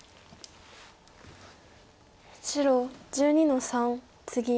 白１２の三ツギ。